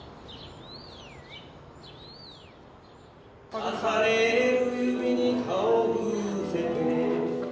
「さされる指に顔を伏せて」